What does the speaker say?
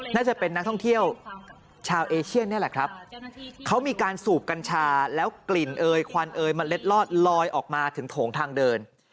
น่าจะเป็นนักท่องเที่ยวชาวเอเชียนนี่แหละครับเขามีการสูบกัญชาแล้วกลิ่นเอยควันเอยเมล็ดลอดลอยออกมาถึงโถงทางเดิน